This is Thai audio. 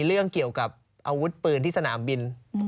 เรื่องเกี่ยวกับอาวุธปืนที่สนามบิน